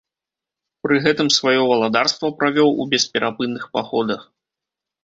Пры гэтым свае валадарства правёў у бесперапынных паходах.